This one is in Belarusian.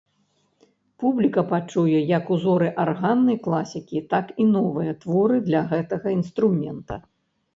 Публіка пачуе як узоры арганнай класікі, так і новыя творы для гэтага інструмента.